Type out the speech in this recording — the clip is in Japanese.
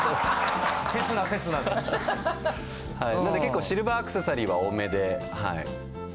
・刹那刹那で・結構シルバーアクセサリーは多めではい。